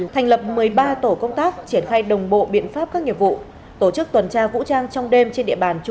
thành lập một mươi ba tổ công tác